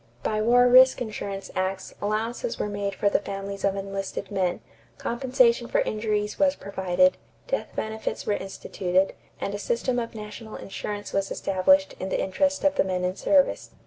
By war risk insurance acts allowances were made for the families of enlisted men, compensation for injuries was provided, death benefits were instituted, and a system of national insurance was established in the interest of the men in service.